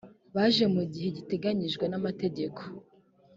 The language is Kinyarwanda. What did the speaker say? baje mu gihe giteganyijwe n amategeko